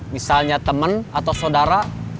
misalnya temen atau saudara